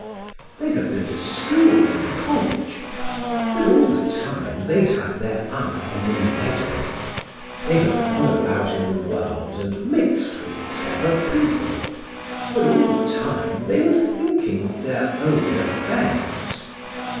They have been to school and college, but all the time they had their eye on the medal; they have gone about in the world and mixed with clever people, but all the time they were thinking of their own affairs.